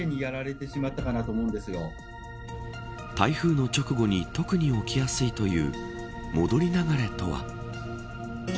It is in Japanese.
台風の直後に特に起きやすいという戻り流れとは。